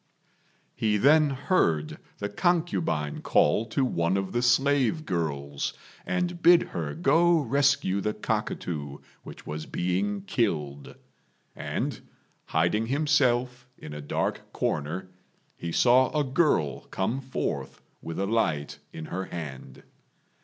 He then heard the concubine call to one of the slave girls, and bid her go rescue the cockatoo which was being killed; and, hiding himself in a dark corner, he saw a girl come forth with a light in her hand.